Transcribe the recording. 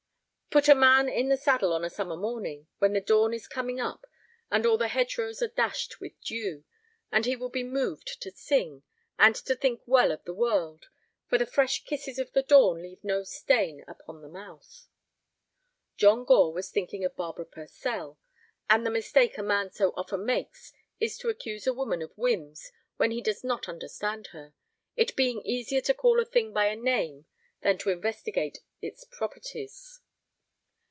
Put a man in the saddle on a summer morning, when the dawn is coming up, and all the hedgerows are dashed with dew, and he will be moved to sing, and to think well of the world, for the fresh kisses of the dawn leave no stain upon the mouth. John Gore was thinking of Barbara Purcell; and the mistake a man so often makes is to accuse a woman of whims when he does not understand her, it being easier to call a thing by a name than to investigate its properties.